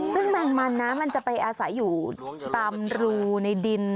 ซึ่งแมงมันนะมันจะไปอาศัยอยู่ตามรูในดิน